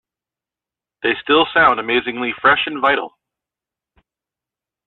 They still sound amazingly fresh and vital.